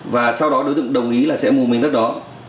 và sau đó đối tượng đồng ý là sẽ mua mình đất đó